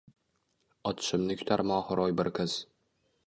Ochishimni kutar mohiro’y bir qiz